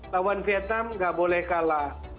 lawan vietnam nggak boleh kalah